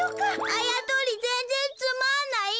あやとりぜんぜんつまんない！